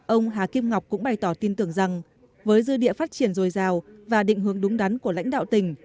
ông hà kim ngọc cũng bày tỏ tin tưởng rằng với dư địa phát triển dồi dào và định hướng đúng đắn của lãnh đạo tỉnh